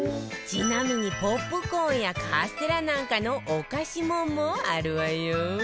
ちなみにポップコーンやカステラなんかの「おかしもん」もあるわよ